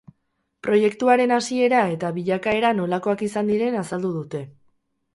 Proiektuaren hasiera eta bilakaera nolakoak izan diren azaldu dute.